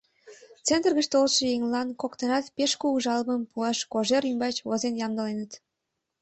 Центр гыч толшо еҥлан коктынат пеш кугу жалобым пуаш Кожер ӱмбач возен ямдыленыт.